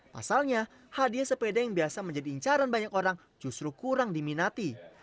pasalnya hadiah sepeda yang biasa menjadi incaran banyak orang justru kurang diminati